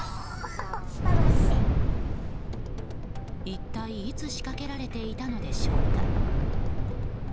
一体いつ仕掛けられていたのでしょうか。